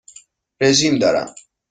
رژیم دارم.